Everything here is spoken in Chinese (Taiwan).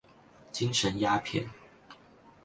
精神鴉片